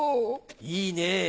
いいね。